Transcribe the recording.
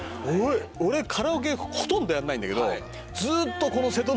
俺カラオケほとんどやらないんだけど。